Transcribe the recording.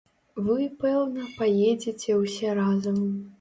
Вы, пэўна, паедзеце ўсе разам.